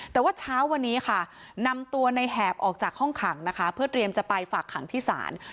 แต่ว่าเช้าวันนี้ค่ะนำตัวในแหบออกจากห้องขังนะคะ